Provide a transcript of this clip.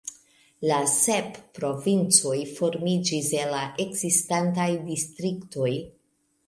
La sep provincoj formiĝis el la ekzistantaj distriktoj.